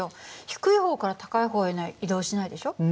低い方から高い方には移動しないでしょ。